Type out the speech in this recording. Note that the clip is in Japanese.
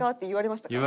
言われました。